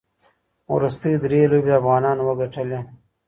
وروستۍ درې لوبې افغانانو وګټلې.